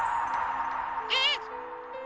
えっ！？